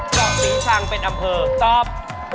อกศรีชังเป็นอำเภอตอบ